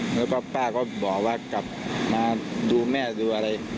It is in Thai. แล้วก็ป้าก็บอกว่ากลับมาดูแม่ดูอะไร